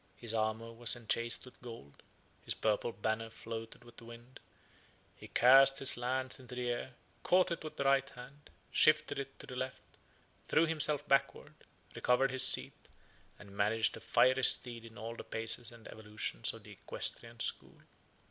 His armor was enchased with gold; his purple banner floated with the wind: he cast his lance into the air; caught it with the right hand; shifted it to the left; threw himself backwards; recovered his seat; and managed a fiery steed in all the paces and evolutions of the equestrian school.